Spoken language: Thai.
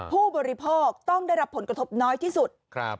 ผู้บริโภคต้องได้รับผลกระทบน้อยที่สุด